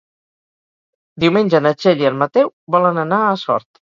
Diumenge na Txell i en Mateu volen anar a Sort.